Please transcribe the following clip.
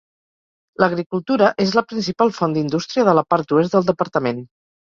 L'agricultura és la principal font d'indústria de la part oest del departament.